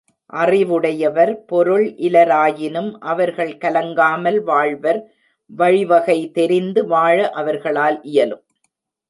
அறிவுடையவர் பொருள் இலராயினும் அவர்கள், கலங்காமல் வாழ்வர் வழிவகை தெரிந்து வாழ அவர்களால் இயலும்.